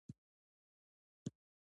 موږ په کوچنیوالی ډیری لوبی کړی دی